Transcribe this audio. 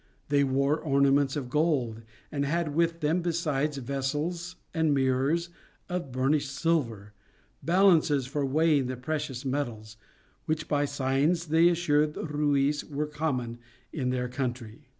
They wore ornaments of gold, and had with them, besides vessels and mirrors of burnished silver, balances for weighing the precious metals, which by signs they assured Ruiz were common in their country.